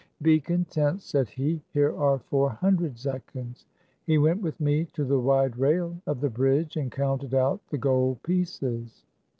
"Be content," said he, "here are four hundred zechins." He went with me to the wide rail of the bridge, and counted out the gold pieces.